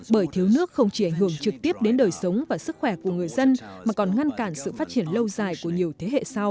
bởi thiếu nước không chỉ ảnh hưởng trực tiếp đến đời sống và sức khỏe của người dân mà còn ngăn cản sự phát triển lâu dài của nhiều thế hệ sau